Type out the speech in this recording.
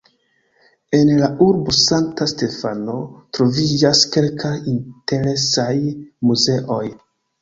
En la urbo Sankta Stefano troviĝas kelkaj interesaj muzeoj.